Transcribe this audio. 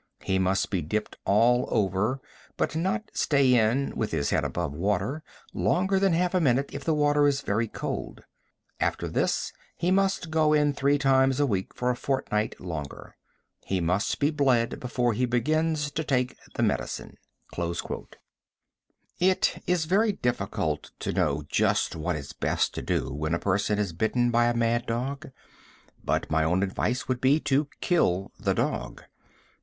He must be dipped all over, but not stay in (with his head above water) longer than half a minute if the water is very cold. After this he must go in three times a week for a fortnight longer. He must be bled before he begins to take the medicine." It is very difficult to know just what is best to do when a person is bitten by a mad dog, but my own advice would be to kill the dog.